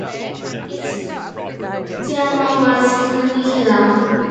Its chairman was Heinrich Rau.